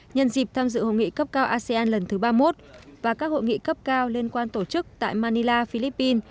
nhân dịp tham dự hội nghị cấp cao asean lần thứ ba mươi một và các hội nghị cấp cao liên quan tổ chức tại manila philippines